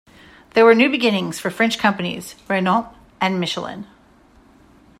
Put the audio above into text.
There were new beginnings for French companies Renault and Michelin.